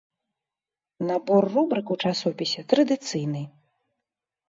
Набор рубрык у часопісе традыцыйны.